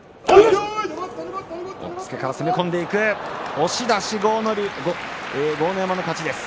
押し出し豪ノ山の勝ちです。